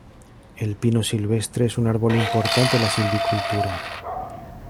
El pino silvestre es un árbol importante en la silvicultura.